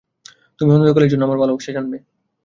তুমিও অনন্তকালের জন্য আমার ভালবাসা জানবে।